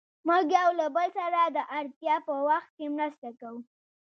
موږ يو له بل سره د اړتیا په وخت کې مرسته کوو.